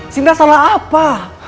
sinta salah apa